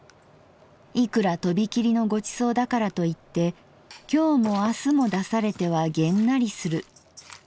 いくらとび切りのご馳走だからと言って今日も明日も出されてはげんなりする。